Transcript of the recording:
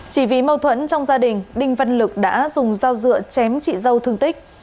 chỉ vì mâu thuẫn trong gia đình đinh văn lực đã dùng dao dựa chém chị dâu thương tích